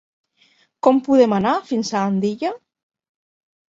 Com podem anar fins a Andilla?